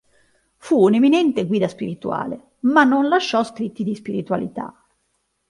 Fu un'eminente guida spirituale ma non lasciò scritti di spiritualità.